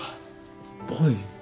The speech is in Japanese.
はい。